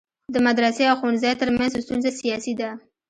د مدرسي او ښوونځی ترمنځ ستونزه سیاسي ده.